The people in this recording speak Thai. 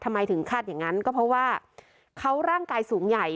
ทำไมถึงคาดอย่างนั้นก็เพราะว่าเขาร่างกายสูงใหญ่